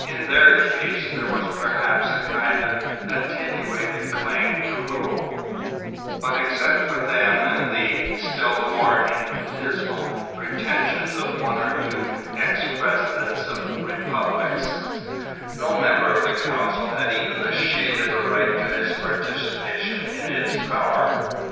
In their case there was perhaps a kind of attenuated claim to rule, but except for them and the still more infinitesimal pretensions of one or two ex presidents of republics, no member of the council had even the shade of a right to his participation in its power.